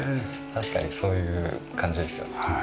確かにそういう感じですよね。